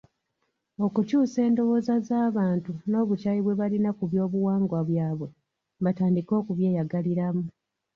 Okukyusa endowooza z’abantu n’obukyayi bwe balina ku byobuwangwa byabwe batandike okubyeyagaliramu.